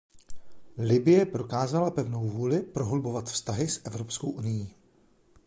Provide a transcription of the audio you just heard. Libye prokázala pevnou vůli prohlubovat vztahy s Evropskou unií.